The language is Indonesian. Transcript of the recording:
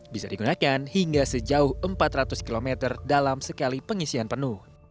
bisa digunakan hingga sejauh empat ratus km dalam sekali pengisian penuh